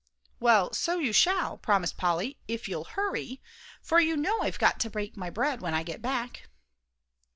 "Well, so you shall," promised Polly, "if you'll hurry, for you know I've got to bake my bread when I get back."